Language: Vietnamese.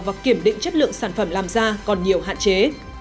và kiểm định chất lượng sản phẩm làm ra còn nhiều hạn chế